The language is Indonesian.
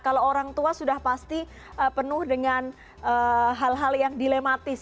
kalau orang tua sudah pasti penuh dengan hal hal yang dilematis